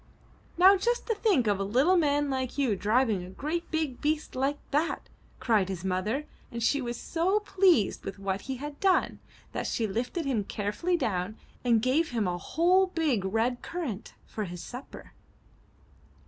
'' ''Now just to think of a little man like you driving a great big beast like that!" cried his mother, and she was so pleased with what he had done, that she lifted him carefully down and gave him a whole big red currant for his supper.